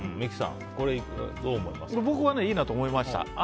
僕はいいなと思いました。